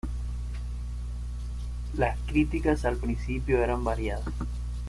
Las críticas al principio eran variadas.